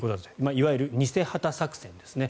いわゆる偽旗作戦ですね。